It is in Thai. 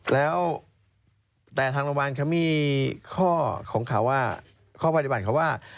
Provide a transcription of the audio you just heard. แล้วแต่ทางโรงพยาบาลเขามีข้อของเขาว่าข้อปฏิบัติเขาว่า